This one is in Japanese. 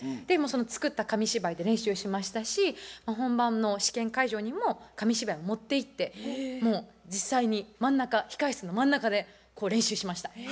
でもうその作った紙芝居で練習しましたし本番の試験会場にも紙芝居を持っていってもう実際に真ん中控え室の真ん中でこう練習しました。